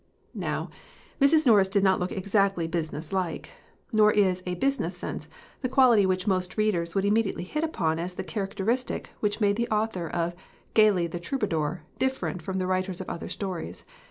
Now, Mrs. Norris did not look exactly business like. Nor is *' a business sense '' the quality which most readers would immediately hit upon as the characteristic which made the author of Gayley the Troubadour different from the writers of other stories.